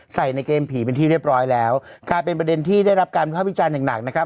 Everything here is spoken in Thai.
ในเกมผีเป็นที่เรียบร้อยแล้วกลายเป็นประเด็นที่ได้รับการภาพวิจารณ์อย่างหนักนะครับ